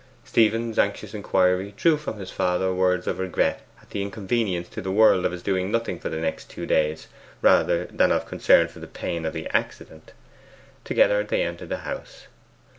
Stephen's anxious inquiry drew from his father words of regret at the inconvenience to the world of his doing nothing for the next two days, rather than of concern for the pain of the accident. Together they entered the house.